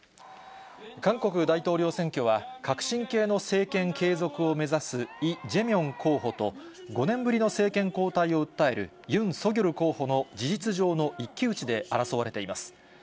韓国大統領選挙は、革新系の政権継続を目指すイ・ジェミョン候補と、５年ぶりの政権交代を訴えるユン・ソギョル候補の事実上の一騎打ちで争われています。